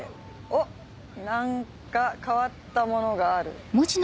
おっ何か変わったものがある。